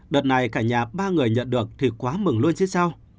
đợt này cả nhà ba người nhận được thì quá mừng luôn chứ sao